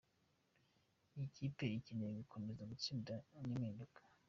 Iyi kipe ikeneye gukomeza gutsinda n’impinduka.